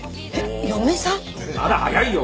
まだ早いよ！